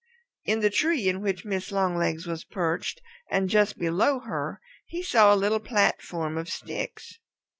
In the tree in which Mrs. Longlegs was perched and just below her he saw a little platform of sticks.